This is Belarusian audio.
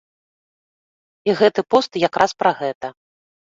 І гэты пост як раз пра гэта.